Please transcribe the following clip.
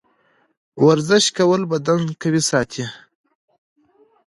د ورزش کول بدن قوي ساتي.